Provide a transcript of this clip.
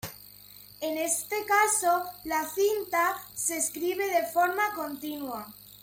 En este caso la cinta se escribe de forma continua.